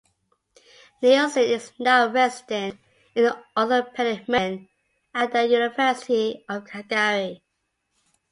Nielsen is now a resident in orthopaedic medicine at the University of Calgary.